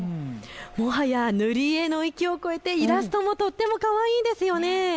もはや塗り絵の域を超えてイラストもとってもかわいいですよね。